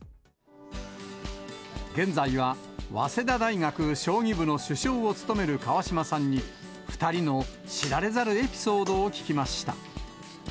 現在は早稲田大学将棋部の主将を務める川島さんに、２人の知られざるエピソードを聞きました。